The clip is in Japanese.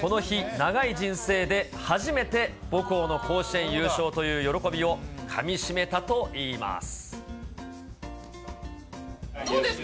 この日、長い人生で初めて母校の甲子園優勝という喜びをかみしめたといいどうですか？